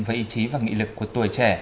với ý chí và nghị lực của tuổi trẻ